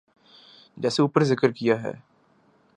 جیسے اوپر ذکر کیا ہے۔